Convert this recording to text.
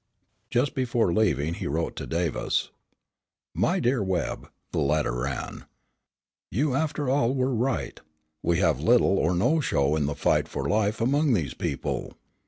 Just before leaving, he wrote to Davis. "My dear Webb!" the letter ran, "you, after all, were right. We have little or no show in the fight for life among these people.